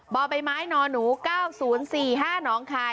บ่อใบไม้นหนู๙๐๔๕น้องคาย